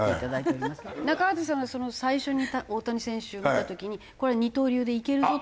中畑さんが最初に大谷選手を見た時にこれは二刀流でいけるぞって？